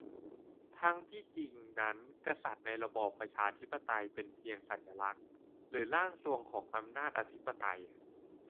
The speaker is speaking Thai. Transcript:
ทั้งที่จริงนั้นกษัตริย์ในระบอบประชาธิปไตยเป็นเพียงสัญลักษณ์หรือ "ร่างทรวง" ของอำนาจอธิปไตย